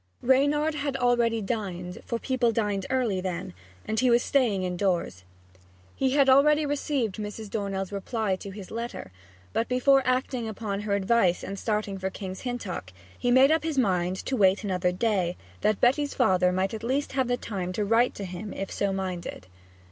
Reynard had already dined for people dined early then and he was staying indoors. He had already received Mrs. Dornell's reply to his letter; but before acting upon her advice and starting for King's Hintock he made up his mind to wait another day, that Betty's father might at least have time to write to him if so minded.